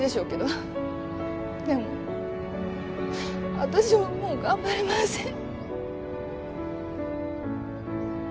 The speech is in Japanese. でも私はもう頑張れません。